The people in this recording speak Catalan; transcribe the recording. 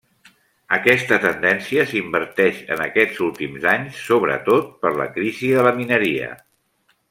Aquesta tendència s'inverteix en aquests últims anys, sobretot per la crisi de la mineria.